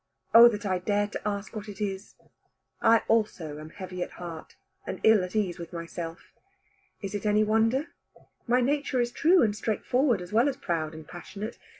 Oh that I dared to ask what it is. I also am heavy at heart, and ill at ease with myself. Is it any wonder? My nature is true and straight forward as well as proud and passionate.